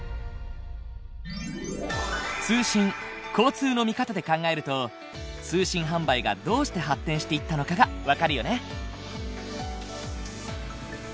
通信交通の見方で考えると通信販売がどうして発展していったのかが分かるよね。